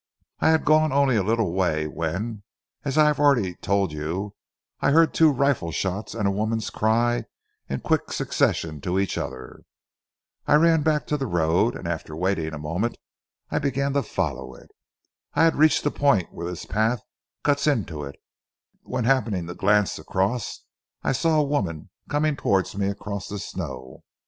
I had gone only a little way, when, as I have already told you, I heard two rifle shots and a woman's cry in quick succession to each other. I ran back to the road, and after waiting a moment I began to follow it. I had reached the point where this path cuts into it, when happening to glance across I saw a woman coming towards me across the snow.